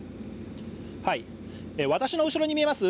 私の後ろに見えます